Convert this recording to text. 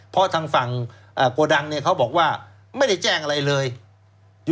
เพราะทางฝั่งโกดังเนี่ยเขาบอกว่าไม่ได้แจ้งอะไรเลย